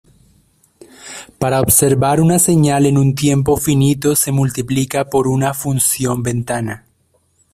Para observar una señal en un tiempo finito, se multiplica por una función ventana.